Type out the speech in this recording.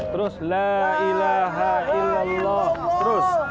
terus la ilaha illallah terus